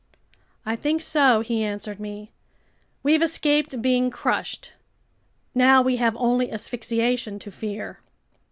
"I think so," he answered me. "We've escaped being crushed. Now we have only asphyxiation to fear."